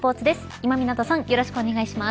今湊さんよろしくお願いします。